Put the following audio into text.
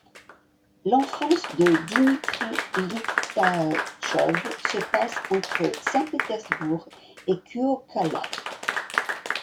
L'enfance de Dmitri Likhatchov se passe entre Saint-Pétersbourg et Kuokkala.